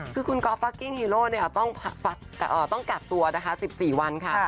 คือคุณก๊อฟฟักกิ้งฮีโร่ต้องกักตัวนะคะ๑๔วันค่ะ